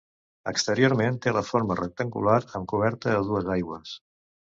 Exteriorment té la forma rectangular amb coberta a dues aigües.